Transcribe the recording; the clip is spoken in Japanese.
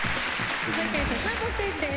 続いてセカンドステージです。